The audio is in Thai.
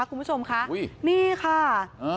คุณผู้ชมคะนี่ค่ะ